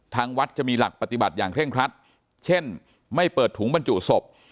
ทางวัดจะมีหลักปฏิบัติอย่างเร่งครัดเช่นไม่เปิดถุงบรรจุศพ